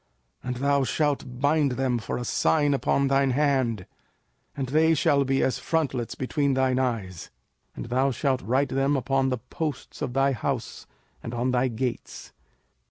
05:006:008 And thou shalt bind them for a sign upon thine hand, and they shall be as frontlets between thine eyes. 05:006:009 And thou shalt write them upon the posts of thy house, and on thy gates.